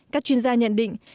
các chuyên gia nhận định